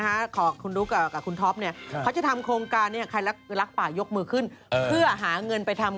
หูไฟอะไรของเยี่ยม